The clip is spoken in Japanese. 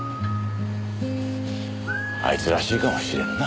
あいつらしいかもしれんな。